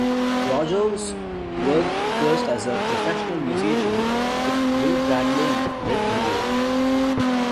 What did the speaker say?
Rogers worked first as a professional musician with Will Bradley and Red Norvo.